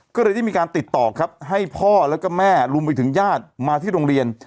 ก็เลยได้มีการติดต่อครับให้พ่อแล้วก็แม่รวมไปถึงญาติมาที่โรงเรียน